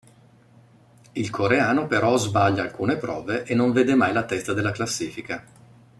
Il coreano però sbaglia alcune prove e non vede mai la testa della classifica.